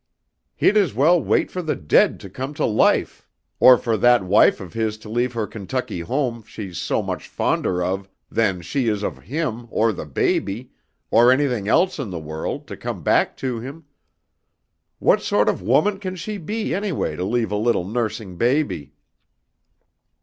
He'd as well wait for the dead to come to life or for that wife of his to leave her Kentucky home she's so much fonder of than she is of him or the baby or anything else in the world, to come back to him. What sort of woman can she be anyway to leave a little nursing baby?"